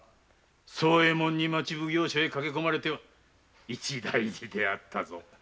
惣右衛門に町奉行所へ駆けこまれては一大事であったぞ。